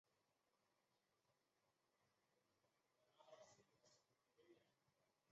垂直风切变的持续影响使系统的深对流消散殆尽。